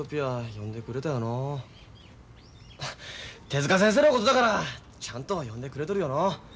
手先生のことだからちゃんと読んでくれとるよのう。